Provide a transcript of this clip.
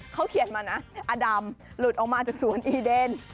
เขาเขียนมานะอดำหลุดออกมาจากสวนอีเดน